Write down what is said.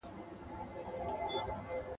چي خدای درکړی د توري زور دی ..